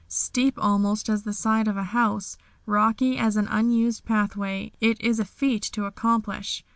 Steep almost as the side of a house, rocky as an unused pathway, it is a feat to accomplish.